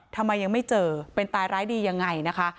ทำไมยังไม่เจอเป็นตายร้ายดียังไงนะคะ